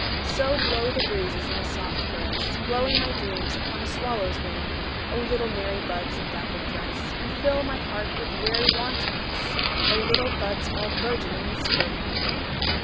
So blow the breezes in a soft caress, Blowing my dreams upon a swallow's wing;O little merry buds in dappled dress, You fill my heart with very wantonness—O little buds all bourgeoning with Spring!